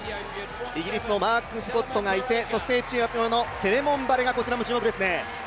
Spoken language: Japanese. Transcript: イギリスのマーク・スコットがいてエチオピアのセレモン・バレガ、こちらも注目です。